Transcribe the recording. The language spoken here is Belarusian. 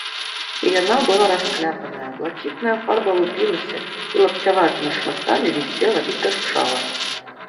Яна была раскляпаная, блакітная фарба лупілася і лапцяватымі шматкамі вісела і тырчала.